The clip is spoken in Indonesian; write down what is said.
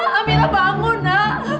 amira amira bangun nak